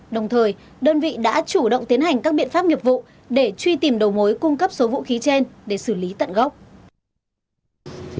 đồng thời đơn vị đã chủ động tiến hành các biện pháp nghiệp vụ để truy tìm đầu mối cung cấp số vũ khí trên để xử lý tận gốc